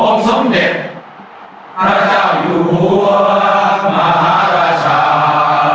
สมเด็จพระเจ้าอยู่หัวมหาราชา